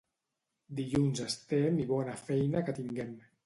Dilluns estem i bona feina que tinguem.